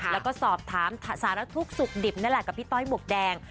แล้วก็สอบถามสารทุกข์สุขดิบนั่นแหละกับพี่ต้อยหมวกแดง